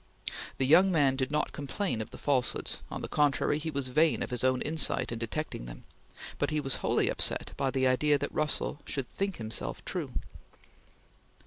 The young man did not complain of the falsehoods; on the contrary, he was vain of his own insight in detecting them; but he was wholly upset by the idea that Russell should think himself true.